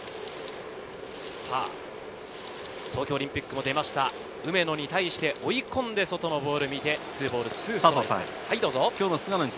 東京オリンピックも出ました梅野に対して、追い込んで外のボール見て２ボール２ストライクです。